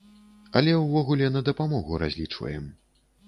Але ўвогуле на дапамогу разлічваем.